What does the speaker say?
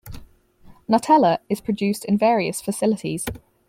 Nutella is produced in various facilities.